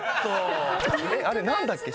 あれ何だっけ？